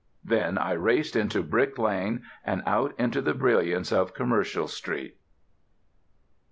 Then I raced into Brick Lane, and out into the brilliance of Commercial Street.